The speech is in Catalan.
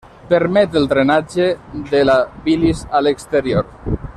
Permet el drenatge de la bilis a l’exterior.